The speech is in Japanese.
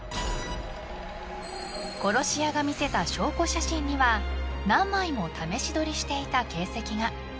［殺し屋が見せた証拠写真には何枚も試し撮りしていた形跡が］